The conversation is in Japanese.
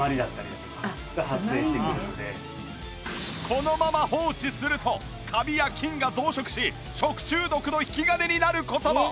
このまま放置するとカビや菌が増殖し食中毒の引き金になる事も